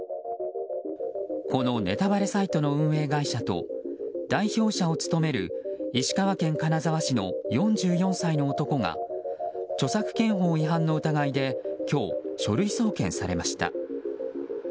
このネタバレサイトの運営会社と代表者を務める石川県金沢市の４４歳の男が著作権法違反の疑いで今日、書類送検されました。